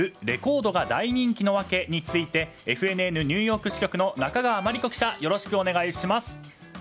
レコードが大人気の訳についてＦＮＮニューヨーク支局の中川真理子記者よろしくお願いします。